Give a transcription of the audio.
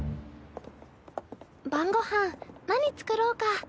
晩ご飯何作ろうか？